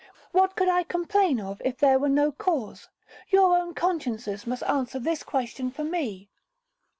What could I complain of if there were no cause? Your own consciences must answer this question for me.'